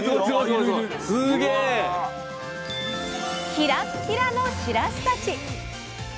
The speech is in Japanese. キラッキラのしらすたち！